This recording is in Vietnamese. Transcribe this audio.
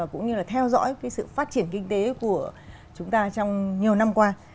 cũng như là theo dõi sự phát triển kinh tế của chúng ta trong nhiều năm qua